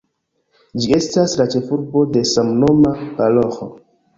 Ĝi estas la ĉefurbo de samnoma paroĥo.